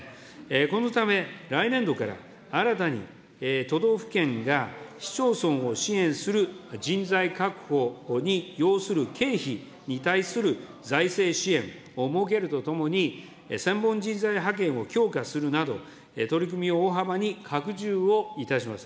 このため、来年度から、新たに都道府県が市町村を支援する人材確保に要する経費に対する財政支援を設けるとともに、専門人材派遣を強化するなど、取り組みを大幅に拡充をいたします。